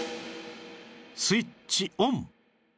スイッチオン！